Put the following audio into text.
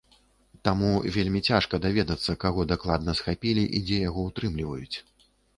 Таму вельмі цяжка даведацца, каго дакладна схапілі і дзе яго ўтрымліваюць.